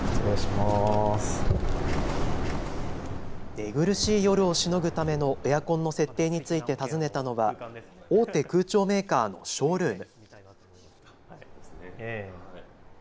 寝苦しい夜をしのぐためのエアコンの設定についてたずねたのは大手空調メーカーのショールーム。